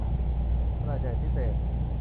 ขนาดใหญ่พิเศษ